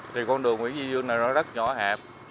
thì con đường nguyễn duy dương này nó rất nhỏ hẹp